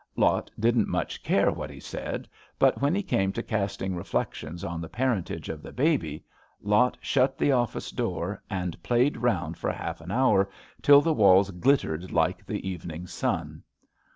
Lot didn't much care what he said, but when he came to casting reflections on the parentage of the baby, Lot shut the oflSce door and played THE SHADOW OF HIS HAND 43 round for half an hour till the walls glittered like the eveniug sun.